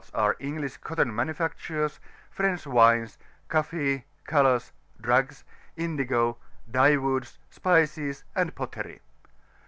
3 Engiicdi coticm maQufftctures, French wines, coffee, oolottn, drugs, indigo, dyewoodn, spices, and pottery.